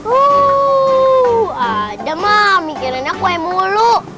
uh ada mah mikirnya kue mulu